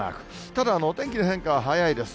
ただ、お天気の変化は早いです。